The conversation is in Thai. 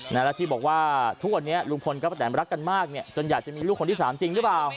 แล้วที่บอกว่าทุกวันนี้ลุงพลกับป้าแตนรักกันมากเนี่ยจนอยากจะมีลูกคนที่๓จริงหรือเปล่า